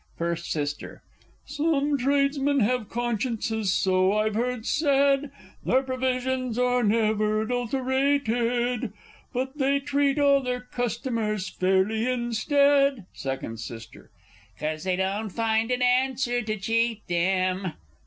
First S. Some tradesmen have consciences, so I've heard said; Their provisions are never adulteratèd, But they treat all their customers fairly instead. Second S. 'Cause they don't find it answer to cheat them!